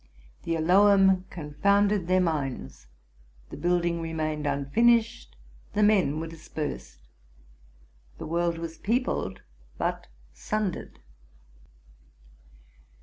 The Elohim confounded their minds ; the build ing remained unfinished ; the men were dispersed ; the world was peopled, but sundered.